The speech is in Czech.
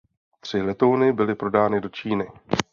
Tři letouny byly prodány do Číny.